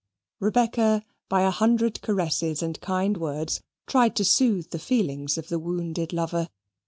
Rebecca by a hundred caresses and kind words tried to soothe the feelings of the wounded lover.